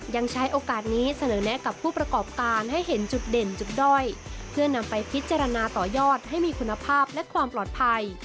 ยังใช้โอกาสนี้เสนอแนะกับผู้ประกอบการให้เห็นจุดเด่นจุดด้อยเพื่อนำไปพิจารณาต่อยอดให้มีคุณภาพและความปลอดภัย